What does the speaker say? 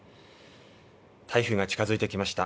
台風が近づいてきました。